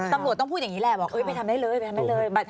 ตำรวจต้องพูดอย่างนี้แหละบอกไปทำได้เลยไปทำได้เลย